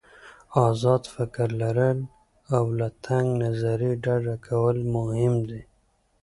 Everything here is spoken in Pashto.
آزاد فکر لرل او له تنګ نظري ډډه کول مهم دي.